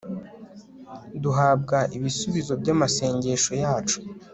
Duhabwa ibisubizo byamasengesho yacu